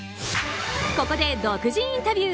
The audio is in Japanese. ここで独自インタビュー